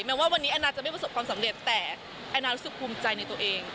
ว่าวันนี้แอนนาจะไม่ประสบความสำเร็จแต่แอนนารู้สึกภูมิใจในตัวเอง